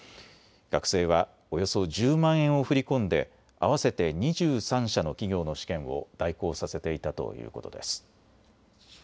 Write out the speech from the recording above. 学生はおよそ１０万円を振り込んで、合わせて２３社の企業の試験を代行させていたということです。